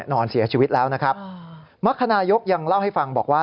นอนเสียชีวิตแล้วนะครับมรรคนายกยังเล่าให้ฟังบอกว่า